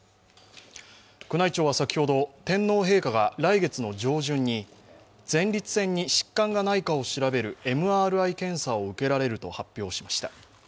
宮内庁は先ほど、天皇陛下が来月の上旬に前立腺に疾患がないかを調べるＭＲＩ検査を受けられると発表しました。